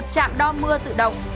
một mươi một trạm đo mưa tự động